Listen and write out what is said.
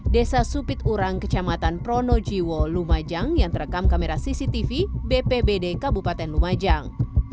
desa supiturang kecamatan pronojiwo lumajang yang terekam kamera cctv bpbd kabupaten lumajang